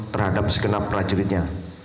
terhadap segenap prajuritnya